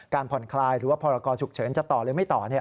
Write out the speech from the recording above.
ผ่อนคลายหรือว่าพรกรฉุกเฉินจะต่อหรือไม่ต่อ